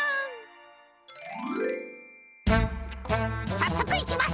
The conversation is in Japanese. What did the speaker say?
さっそくいきます！